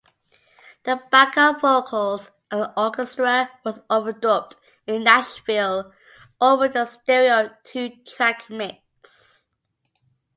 The Backup vocals and orchestra was overdubbed in Nashville over the stereo two-track mix.